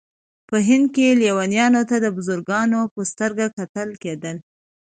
په هند کې لیونیانو ته د بزرګانو په سترګه کتل کېدل.